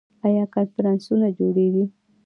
آیا کنفرانسونه جوړیږي؟